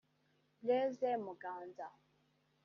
Blaise Muganza